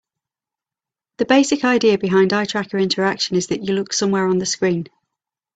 The basic idea behind eye tracker interaction is that you look somewhere on the screen.